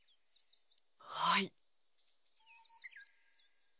はい。